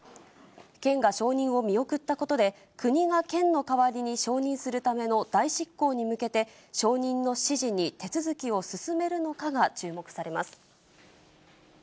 県が承認を見送ったことで、国が県の代わりに承認するための代執行に向けて、承認の指示に手続きを進めるのかが注目されます。